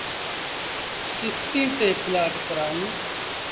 ڪستيٚن تي پلآٽ ڪرآئوٚݩ۔